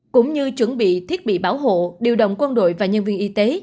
cũng như chuẩn bị thiết bị bảo hộ điều động quân đội và nhân viên y tế